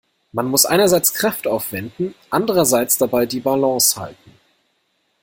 Man muss einerseits Kraft aufwenden, andererseits dabei die Balance halten.